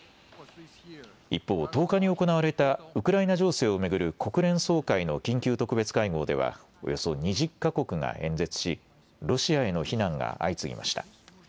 一方、１０日に行われたウクライナ情勢を巡る国連総会の緊急特別会合では、およそ２０か国が演説し、ロシアへの非難が相次ぎました。